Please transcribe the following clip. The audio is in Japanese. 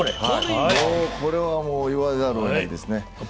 もうこれは言わざるをえないですね。